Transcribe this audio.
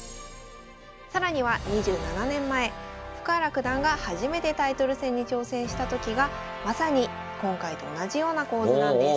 更には２７年前深浦九段が初めてタイトル戦に挑戦した時がまさに今回と同じような構図なんです。